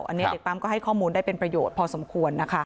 อันนี้เด็กปั๊มก็ให้ข้อมูลได้เป็นประโยชน์พอสมควรนะคะ